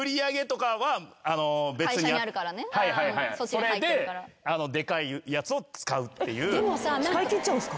それででかいやつを使うっていう。